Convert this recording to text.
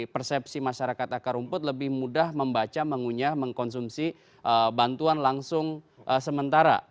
persepsi masyarakat akar rumput lebih mudah membaca mengunyah mengkonsumsi bantuan langsung sementara